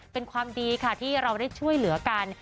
เป็นความดีค่ะที่เราได้ช่วยเหลือกัน